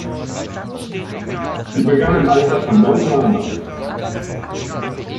Sie begann im Alter von neun Jahren damit.